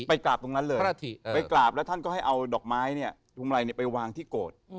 ไปกราบตรงนั้นเลยไปกราบแล้วท่านก็ให้เอาดอกไม้เนี่ยพุงไรไปวางที่โกรธ